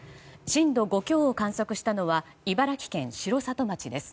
震度５強を観測したのは茨城県城里町です。